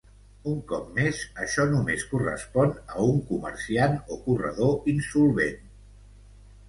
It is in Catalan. Un cop més, això només correspon a un comerciant o corredor insolvent.